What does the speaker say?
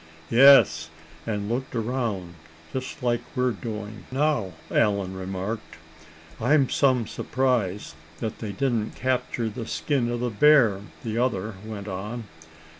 "Yes, and looked around, just like we're doing now," Allan remarked. "I'm some surprised that they didn't capture the skin of the bear," the other went on.